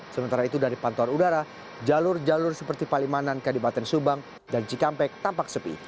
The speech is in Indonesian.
sementara itu dari pantauan udara jalur jalur seperti palimanan kabupaten subang dan cikampek tampak sepi